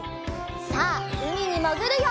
さあうみにもぐるよ！